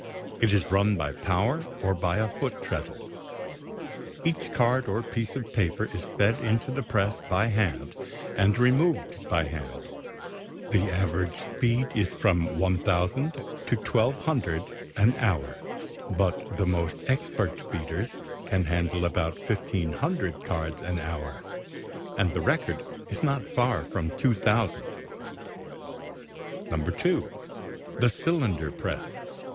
It is run by power or by a foot treadle. Each card or piece of paper is fed into the press by hand and removed by hand. The average speed is from 1,000 to 1,200 an hour, but the most expert feeders can handle about 1,500 cards an hour, and the record is not far from 2,000. (2) The cylinder press.